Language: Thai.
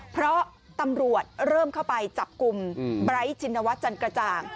เพราะตำรวจเริ่มเข้าไปจับกลุ่มบรัสจินวัสธรรมจันตร์กระจ่าย